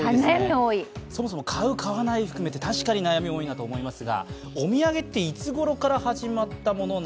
そもそも買う、買わない含めて悩み多いなと思います。